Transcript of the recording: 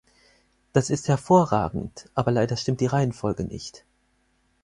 Das ist hervorragend, aber leider stimmt die Reihenfolge nicht.